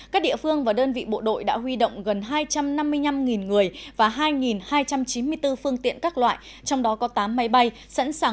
các địa phương và đơn vị bộ đội đã huy động gần hai trăm năm mươi năm người và hai hai trăm chín mươi bốn phương tiện các loại trong đó có tám máy bay sẵn sàng